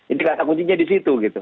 ini kata kuncinya di situ